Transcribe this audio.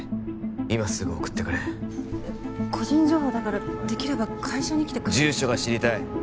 今すぐ送ってくれ個人情報だからできれば会社に来て住所が知りたい